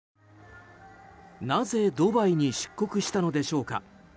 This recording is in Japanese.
なぜ、ドバイに出国したのでしょうか。